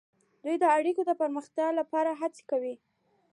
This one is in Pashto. دوی د اړیکو د پراختیا لپاره هڅې کوي